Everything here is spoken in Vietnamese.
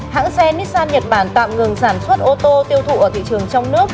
hãng xe nissan nhật bản tạm ngừng sản xuất ô tô tiêu thụ ở thị trường trong nước